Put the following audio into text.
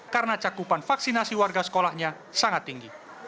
karena cakupan vaksinasi warga sekolahnya sangat tinggi